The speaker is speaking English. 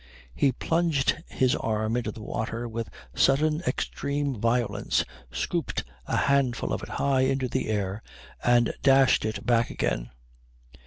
He plunged his arm into the water with sudden extreme violence, scooped a handful of it high into the air, and dashed it back again.